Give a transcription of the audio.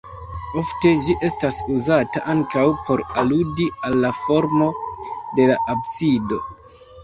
Ofte, ĝi estas uzata ankaŭ por aludi al la formo de la absido.